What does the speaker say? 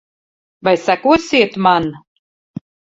Vai sekosiet man?